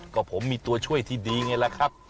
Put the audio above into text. ก็ผมมีตัวช่วยที่ดีไงล่ะครับ